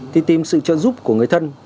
thì tìm sự trợ giúp của người thân